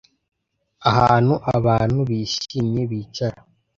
Ahantu abantu bishimye bicara